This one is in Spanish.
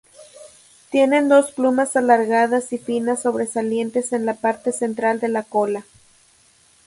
Tienen dos plumas alargadas y finas sobresalientes en la parte central de la cola.